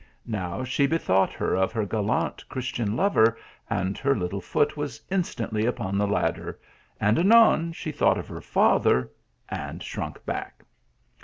Now she bethought her of her gallant Christian lover, and her little foot was instantly upon the lad der, and anon she thought of her father, and shrunk back.